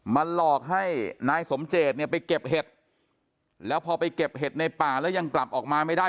หลอกให้นายสมเจตเนี่ยไปเก็บเห็ดแล้วพอไปเก็บเห็ดในป่าแล้วยังกลับออกมาไม่ได้